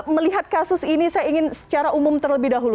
melihat kasus ini saya ingin secara umum terlebih dahulu